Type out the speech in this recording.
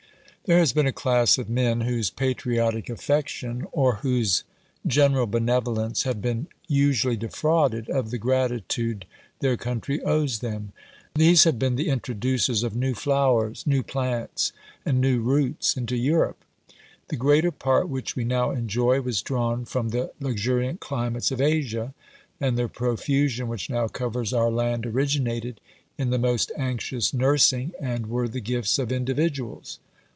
There has been a class of men whose patriotic affection, or whose general benevolence, have been usually defrauded of the gratitude their country owes them: these have been the introducers of new flowers, new plants, and new roots into Europe; the greater part which we now enjoy was drawn from the luxuriant climates of Asia, and the profusion which now covers our land originated in the most anxious nursing, and were the gifts of individuals.